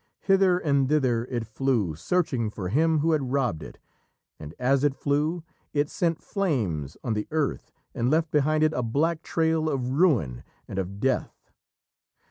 Hither and thither it flew, searching for him who had robbed it, and as it flew, it sent flames on the earth and left behind it a black trail of ruin and of death.